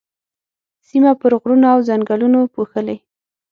سيمه پر غرونو او ځنګلونو پوښلې.